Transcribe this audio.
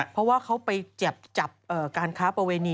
เพราะว่าเขาไปจับการค้าประเวณี